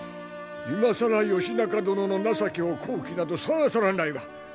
今更義仲殿の情けを請う気などさらさらないわ。